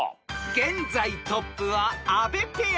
［現在トップは阿部ペア］